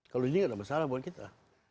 kalau ini nggak ada masalah buat kita